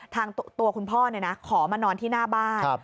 ตัวคุณพ่อขอมานอนที่หน้าบ้าน